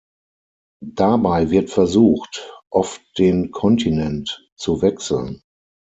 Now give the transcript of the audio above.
Dabei wird versucht, oft den Kontinent zu wechseln.